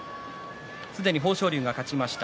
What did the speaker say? すでに豊昇龍が勝ちました。